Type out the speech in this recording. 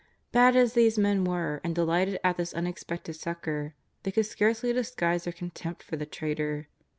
Bad as these men were, and delighted at this unex pected succour, they could scarcely disguise their con tempt for the traitor.